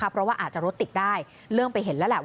เพราะว่าอาจจะรถติดได้เริ่มไปเห็นแล้วแหละ